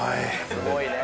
すごいね。